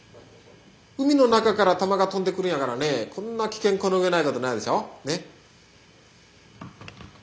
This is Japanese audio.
海の中から弾が飛んでくるんやからねこんな危険この上ないことないでしょねっ。